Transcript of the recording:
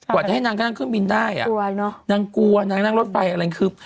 จะให้นางก็นั่งเครื่องบินได้อ่ะกลัวเนอะนางกลัวนางนั่งรถไฟอะไรคือ